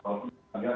kalau kita lihat